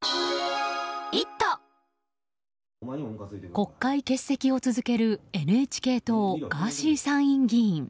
国会欠席を続けるＮＨＫ党、ガーシー参院議員。